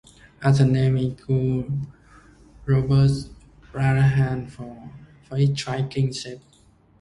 Other names include Rhombeus Piranha, for its striking shape.